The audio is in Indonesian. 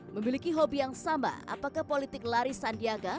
memiliki hobi yang sama apakah politik lari sandiaga